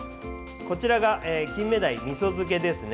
こちらがキンメダイみそ漬けです。